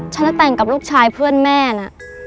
ฉันจะแต่งกับลูกชายเพื่อนแม่นะ